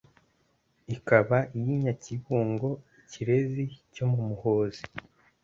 Ikaba iy' i Nyakibungo, Ikirezi cyo mu Muhozi.